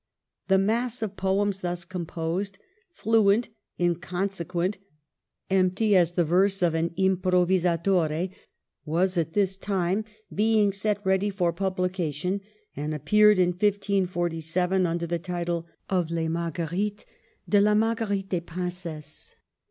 The mass of poems thus composed — fluent, inconsequent, empty as the verse of an impro visatore — was at this time being set ready for publication, and appeared in 1547, under the title of '' Les Marguerites de la Marguerite des Princesses."